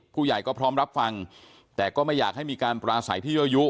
ผู้ใหญ่ก็พร้อมรับฟังแต่ก็ไม่อยากให้มีการปราศัยที่ยั่วยุ